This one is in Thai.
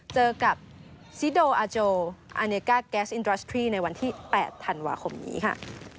เจอกับซิโดอาโจอาเนก้าแก๊สอินดรัชทรีในวันที่๘ธันวาคมนี้ค่ะ